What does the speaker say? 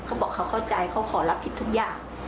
เขาบอกเขาเข้าใจเขาขอรับผิดทุกอย่าง